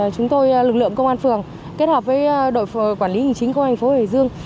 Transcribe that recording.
chúng tôi lực lượng công an phường kết hợp với đội quản lý hình chính công thành phố hải dương